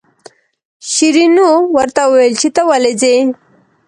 شیرینو ورته وویل چې ته ولې ځې.